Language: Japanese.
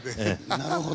なるほど。